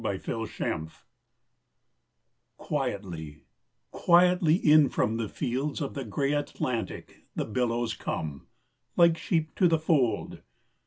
THE HERDING Quietly, quietly in from the fields Of the grey Atlantic the billows come, Like sheep to the fold.